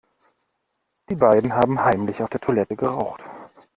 Die beiden haben heimlich auf der Toilette geraucht.